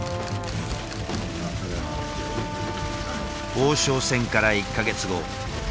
王将戦から１か月後。